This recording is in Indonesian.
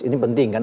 ini penting kan